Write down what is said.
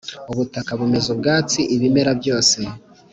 Ubutaka bumeza ubwatsi ibimera byose